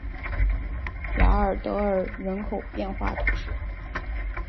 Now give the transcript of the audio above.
雅尔德尔人口变化图示